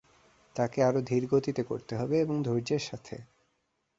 তাকে আরো ধীরগতিতে করতে হবে, এবং ধৈর্যের সাথে।